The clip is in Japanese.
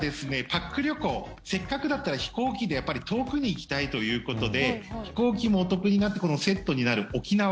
パック旅行せっかくだったら飛行機で遠くに行きたいということで飛行機もお得になってセットになる、沖縄。